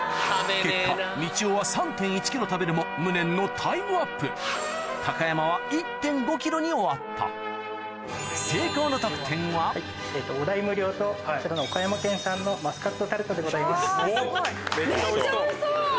結果みちおは３．１ｋｇ食べるも無念のタイムアップ山は１．５ｋｇに終わった成功のうわすごいめっちゃおいしそう！